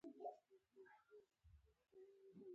زاهیدالله زما ټولګیوال دی